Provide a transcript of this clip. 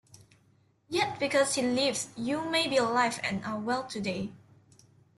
Yet because he lived you may be alive and are well today.